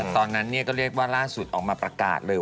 ตอนนั้นก็เรียกว่าล่าสุดออกมาประกาศเลย